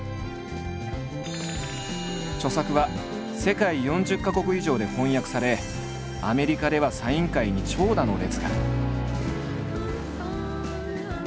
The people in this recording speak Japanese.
著作は世界４０か国以上で翻訳されアメリカではサイン会に長蛇の列が。